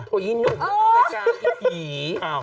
โถยนุ่มอี๋